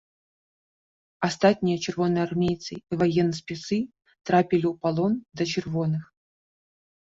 Астатнія чырвонаармейцы і ваенспецы трапілі ў палон да чырвоных.